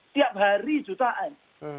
tiap hari jutaan